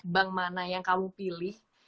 bank mana yang kamu pilih